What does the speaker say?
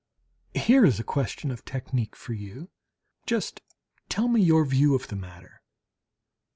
Here is a question of technique for you! Just tell me your view of the matter!